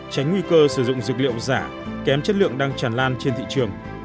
tránh nguy cơ sử dụng dược liệu giả kém chất lượng đang tràn lan trên thị trường